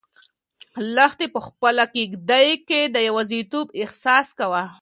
لښتې په خپله کيږدۍ کې د یوازیتوب احساس کاوه.